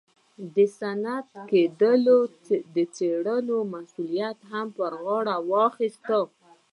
د صنعتي کېدو د څارنې مسوولیت هم پر غاړه واخیست.